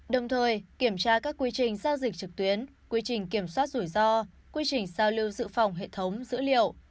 đồng thời kiểm tra các quy trình giao dịch trực tuyến quy trình kiểm soát rủi ro quy trình giao lưu dự phòng hệ thống dữ liệu